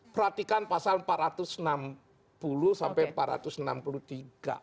perhatikan pasal empat ratus enam puluh sampai empat ratus enam puluh tiga